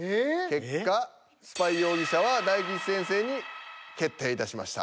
結果スパイ容疑者は大吉先生に決定いたしました。